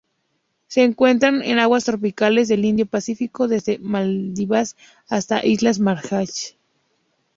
Se encuentran en aguas tropicales del Indo-Pacífico, desde Maldivas hasta las islas Marshall.